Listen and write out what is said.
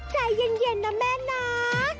ใจเย็นนะแม่นะ